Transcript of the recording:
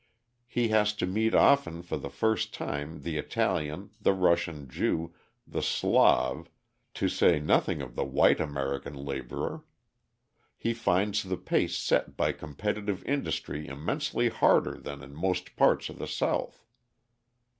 He has to meet often for the first time the Italian, the Russian Jew, the Slav, to say nothing of the white American labourer. He finds the pace set by competitive industry immensely harder than in most parts of the South.